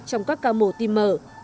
trong các ca mổ tim mở